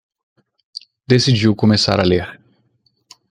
Decidiu começar a ler